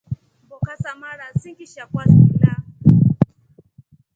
Mboka sa mara singisha kwasila.